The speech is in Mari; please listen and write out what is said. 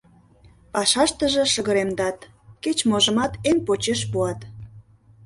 Пашаштыже шыгыремдат, кеч-можымат эн почеш пуат.